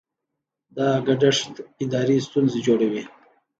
دا ګډښت اداري ستونزې جوړوي.